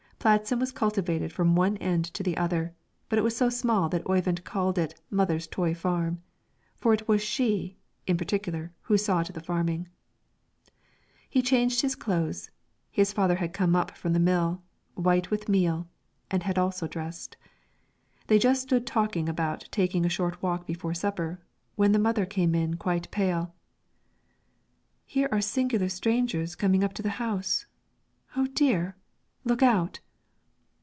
Pladsen was cultivated from one end to the other, but it was so small that Oyvind called it "mother's toy farm," for it was she, in particular, who saw to the farming. He had changed his clothes, his father had come in from the mill, white with meal, and had also dressed. They just stood talking about taking a short walk before supper, when the mother came in quite pale. "Here are singular strangers coming up to the house; oh dear! look out!"